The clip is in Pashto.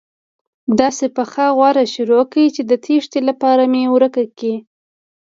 داسې پخه غوره شروع کړي چې د تېښتې لاره مې ورکه کړي.